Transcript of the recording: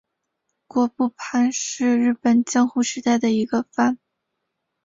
园部藩是日本江户时代的一个藩。